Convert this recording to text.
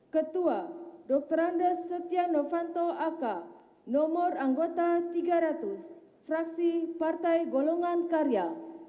ketua dr andes setia novanto ak nomor anggota tiga ratus fraksi partai golongan karya